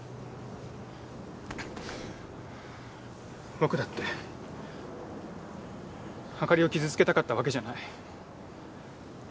僕だって朱莉を傷つけたかったわけじゃない。